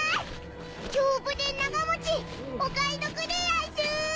丈夫で長持ちお買い得でやんすー！